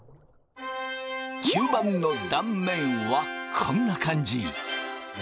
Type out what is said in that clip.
吸盤の断面はこんな感じ。